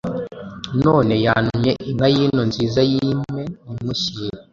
none yantumye inka yino nziza yimpe nyimushyire ,